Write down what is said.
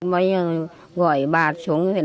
bây giờ gọi bà xuống